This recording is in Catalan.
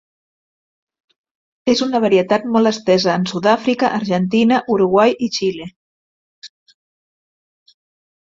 És una varietat molt estesa en Sud-àfrica, Argentina, Uruguai i Xile.